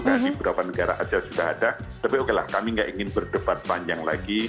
nah di beberapa negara saja sudah ada tapi oke lah kami nggak ingin berdebat panjang lagi